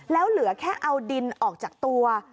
แล้วเหลือแค่เอาดินออกจากตัว